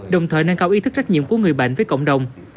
đồng thời nâng cao ý thức trách nhiệm của người bệnh với cộng đồng